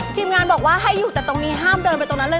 ทีมงานบอกว่าให้อยู่แต่ตรงนี้ห้ามเดินไปตรงนั้นเลย